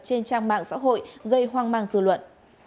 trên trang mạng xã hội gây hoang mang dư luận